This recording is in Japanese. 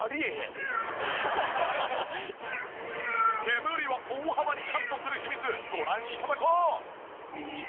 煙を大幅にカットする秘密ご覧頂こう！